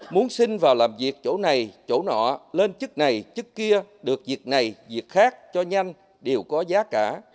muốn sinh vào làm việc chỗ này chỗ nọ lên chức này chức kia được việc này việc khác cho nhanh đều có giá cả